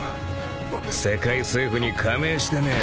世界政府に加盟してねえ